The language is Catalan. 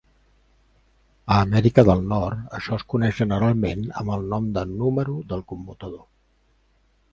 A Amèrica del Nord, això es coneix generalment amb el nom de "número" del commutador.